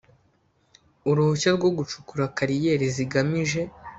uruhushya rwo gucukura kariyeri zigamije